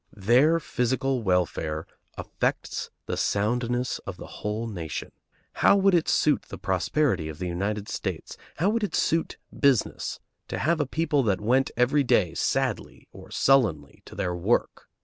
Their physical welfare affects the soundness of the whole nation. How would it suit the prosperity of the United States, how would it suit business, to have a people that went every day sadly or sullenly to their work?